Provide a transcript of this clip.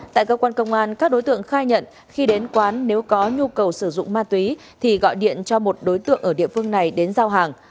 tại cơ quan công an các đối tượng khai nhận khi đến quán nếu có nhu cầu sử dụng ma túy thì gọi điện cho một đối tượng ở địa phương này đến giao hàng